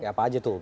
apa aja tuh